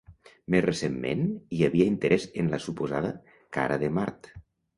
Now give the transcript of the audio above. Més recentment, hi havia interès en la suposada "Cara de Mart".